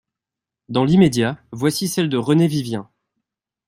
Dans l'immédiat voici celle de Renée Vivien.